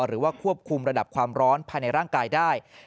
หรือว่าควบคุมระดับความร้อนภายในร่างกายได้